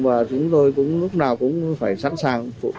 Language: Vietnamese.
và chúng tôi lúc nào cũng phải sẵn sàng